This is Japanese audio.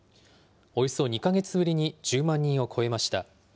およそ２か月ぶりに１０万人を超えました。